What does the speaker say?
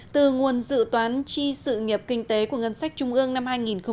từ nguồn dự toán tri sự nghiệp kinh tế của ngân sách trung ương năm hai nghìn một mươi sáu